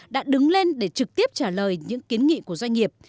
đã đứng lên để trực tiếp trả lời những kiến nghị của doanh nghiệp